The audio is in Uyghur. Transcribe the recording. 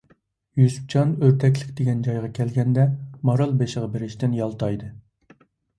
يۈسۈپجان ئۆردەكلىك دېگەن جايغا كەلگەندە، مارالبېشىغا بېرىشتىن يالتايدى.